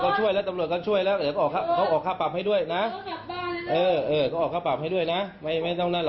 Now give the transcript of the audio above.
น่ะเออโอเค